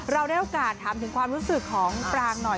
เราได้โอกาสถามถึงความรู้สึกของปรางหน่อย